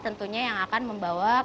tentunya yang akan membawa